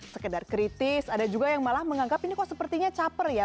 sekedar kritis ada juga yang malah menganggap ini kok sepertinya caper ya